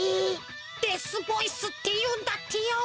デスボイスっていうんだってよ。